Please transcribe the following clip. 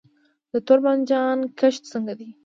د تور بانجان کښت څنګه دی؟